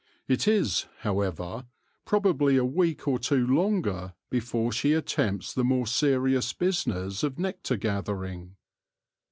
It is, however, probably a week or two longer before she attempts the more serious business of nectar gather ing.